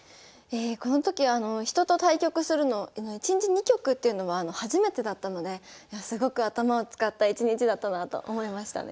この時人と対局するの１日２局っていうのは初めてだったのですごく頭を使った１日だったなあと思いましたね。